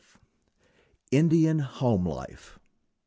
INDIAN HOME LIFE.